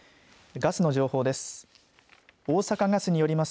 ガスの情報です。